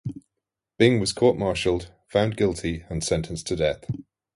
Byng was court-martialled, found guilty and sentenced to death.